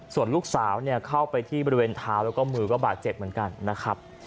ส่วนลูกสาวเข้าไปที่บริเวณเท้าและมือบาดเจ็บ